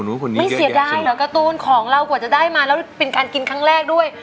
คนนี้ไม่เสียดายเหรอการ์ตูนของเรากว่าจะได้มาแล้วเป็นการกินครั้งแรกด้วย